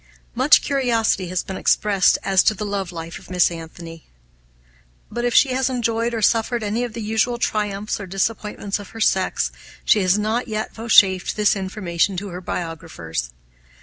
Much curiosity has been expressed as to the love life of Miss Anthony; but, if she has enjoyed or suffered any of the usual triumphs or disappointments of her sex, she has not yet vouchsafed this information to her biographers.